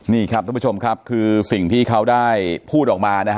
นี่ครับทุกผู้ชมครับคือสิ่งที่เขาได้พูดออกมานะฮะ